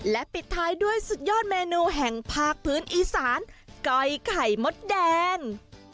และปิดท้ายด้วยสุดยอดเมนูแห่งภาคพื้นอีสานก้อยไข่มดแดง